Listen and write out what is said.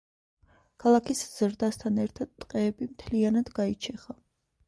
ქალაქის ზრდასთან ერთად ტყეები მთლიანად გაიჩეხა.